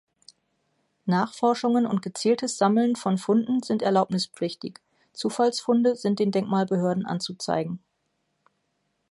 Nachforschungen und gezieltes Sammeln von Funden sind erlaubnispflichtig, Zufallsfunde sind den Denkmalbehörden anzuzeigen.